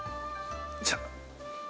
じゃあ。